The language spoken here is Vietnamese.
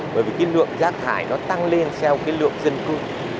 bởi vì cái lượng rác thải nó tăng lên theo cái lượng dân cư